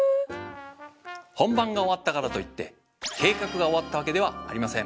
本番が終わったからといって計画が終わったわけではありません。